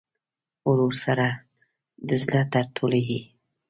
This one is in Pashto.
ورور سره د زړه نه تړلې یې.